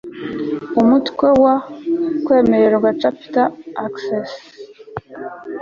umutwe wa ii kwemererwa chapter ii access